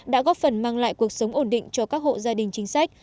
đã góp phần mang lại cuộc sống ổn định cho các hộ gia đình chính sách